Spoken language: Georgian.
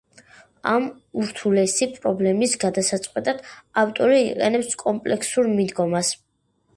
ამ ურთულესი პრობლემის გადასაწყვეტად ავტორი იყენებს კომპლექსურ მიდგომას.